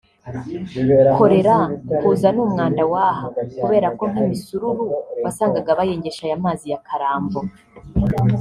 Kolera kuza ni umwanda w’aha kubera ko nk’imisururu wasangaga bayengesha aya mazi ya Karambo